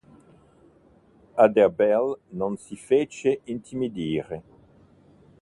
Aderbale non si fece intimidire.